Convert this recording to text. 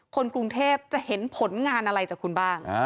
คนกรุงเทพจะเห็นผลงานอะไรจากคุณบ้าง